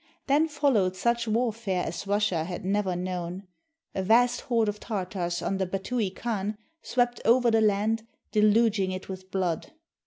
Then followed such warfare as Rus sia had never known. A vast horde of Tartars under Batui Khan swept over the land, deluging it with blood.